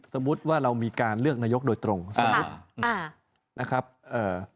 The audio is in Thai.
สมมุติว่าเรามีการเลือกนายกโดยตรงสมมุติอ่านะครับเอ่อ